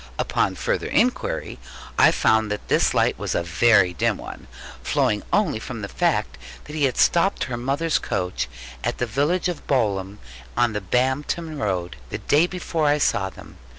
Upon further inquiry I found that this light was a very dim one, flowing only from the fact that he had stopped her mother's coach, at the village of Bolham, on the Bampton Road, the day before I saw them.